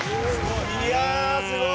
いやあすごい！